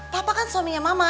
papa kan suaminya mama